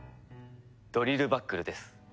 ドリルバックルです。